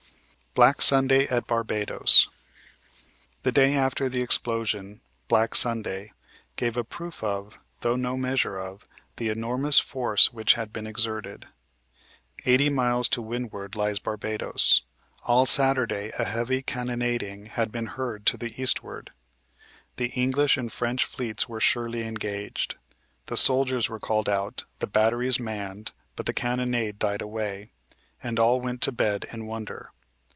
BLACK SUNDAY AT BARBADOS "The day after the explosion, 'Black Sunday,' gave a proof of, though no measure of, the enormous force which had been exerted. Eighty miles to windward lies Barbados. All Saturday a heavy cannonading had been heard to the eastward. The English and French fleets were surely engaged. The soldiers were called out; the batteries manned; but the cannonade died away, and all went to bed in wonder.